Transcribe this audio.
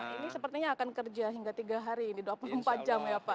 ini sepertinya akan kerja hingga tiga hari ini dua puluh empat jam ya pak